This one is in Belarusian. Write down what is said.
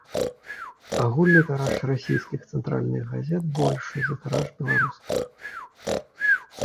Агульны тыраж расійскіх цэнтральных газет большы за тыраж беларускіх.